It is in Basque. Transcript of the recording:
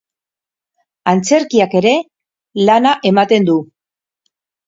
Antzerkiak ere lana ematen du.